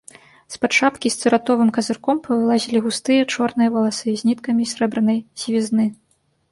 З-пад шапкі з цыратовым казырком павылазілі густыя, чорныя валасы з ніткамі срэбранай сівізны.